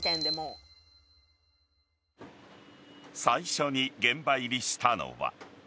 ［最初に現場入りしたのは］